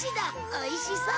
おいしそう！